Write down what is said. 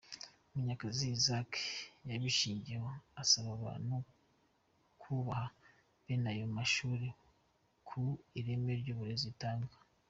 Munyakazi Isaac, yabishingiyeho asaba abantu kubaha bene ayo mashuri ku ireme ry’uburezi atanga.